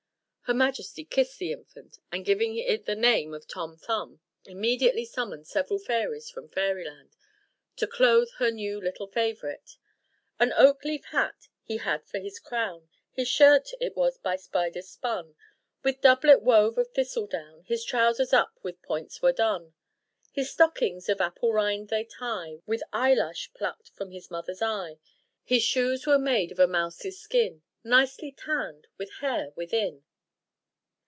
Her majesty kissed the infant, and, giving it the name of Tom Thumb, immediately summoned several fairies from Fairyland, to clothe her new little favourite: "An oak leaf hat he had for his crown, His shirt it was by spiders spun: With doublet wove of thistledown, His trousers up with points were done; His stockings, of apple rind, they tie With eye lash pluck'd from his mother's eye: His shoes were made of a mouse's skin, Nicely tann'd with hair within."